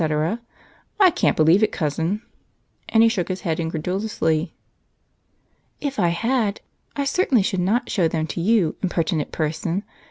I can't believe it, Cousin," and he shook his head incredulously. "If I had, I certainly should not show them to you, impertinent person!